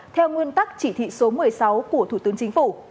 theo nguyên tắc chỉ thị số một mươi sáu của thủ tướng chính phủ